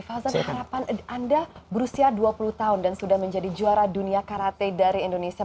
fauzan harapan anda berusia dua puluh tahun dan sudah menjadi juara dunia karate dari indonesia